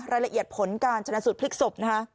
รายละเอียดผลการชนะสูตรพลิกศพนะคะ